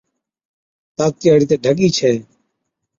طاقتِي هاڙِي تہ ڍڳِي ڇَي،